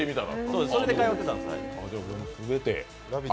それで通ってたんです。